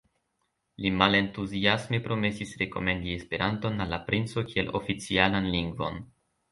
Li malentuziasme promesis rekomendi Esperanton al la princo kiel oficialan lingvon.